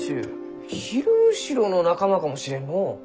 ヒルムシロの仲間かもしれんのう。